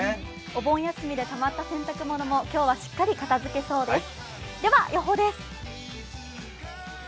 お盆休みでたまった洗濯物も今日はしっかり片付きそうです。